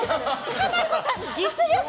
可奈子さんの実力！